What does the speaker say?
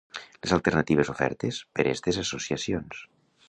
Les alternatives ofertes per estes associacions